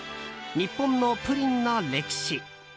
日本のプリンの歴史。